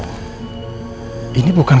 bahwa ini bukan